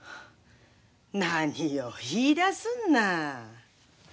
何を言いだすんな。